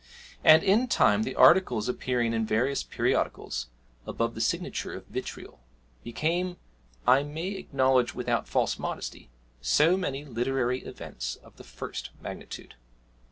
And in time the articles appearing in various periodicals above the signature of 'Vitriol' became, I may acknowledge without false modesty, so many literary events of the first magnitude.